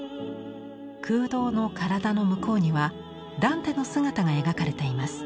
空洞の体の向こうにはダンテの姿が描かれています。